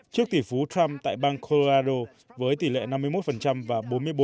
trước tỷ phú trump tại bang coloadro với tỷ lệ năm mươi một và bốn mươi bốn